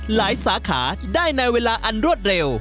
สาขาได้ในเวลาอันรวดเร็ว